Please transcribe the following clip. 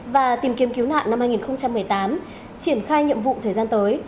và tìm kiếm cứu nạn năm hai nghìn một mươi tám triển khai nhiệm vụ thời gian tới